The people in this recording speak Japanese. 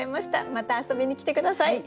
また遊びに来て下さい。